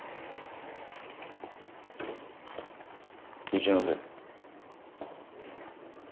一ノ瀬。